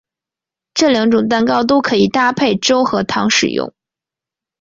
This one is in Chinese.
这两种蛋糕都可以搭配粥和糖食用。